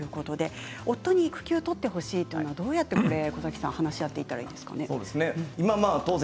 夫に育休を取ってほしいというのは、どうやって話し合っていたらいいですか？